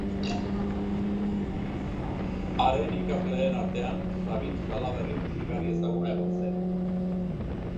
Haren ikasleen artean Sabin Salaberri musikari ezaguna egon zen.